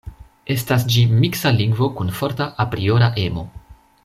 Estas ĝi miksa lingvo kun forta apriora emo.